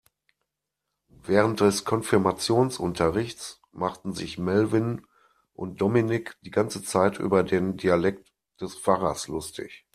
Während des Konfirmationsunterrichts machten sich Melvin und Dominik die ganze Zeit über den Dialekt des Pfarrers lustig.